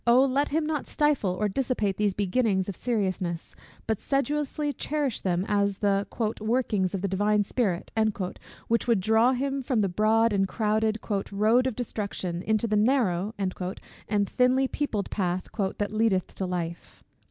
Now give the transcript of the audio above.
let him not stifle or dissipate these beginnings of seriousness, but sedulously cherish them as the "workings of the Divine Spirit," which would draw him from the "broad" and crowded "road of destruction into the narrow" and thinly peopled path "that leadeth to life."